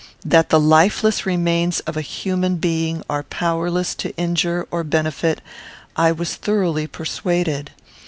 That the lifeless remains of a human being are powerless to injure or benefit, I was thoroughly persuaded.